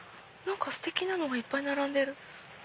ステキなのがいっぱい並んでる。